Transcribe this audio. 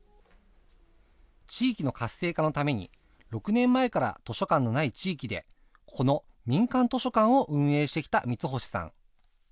地域の活性化のために、６年前から図書館のない地域で、この民間図書館を運営してきた三星さん。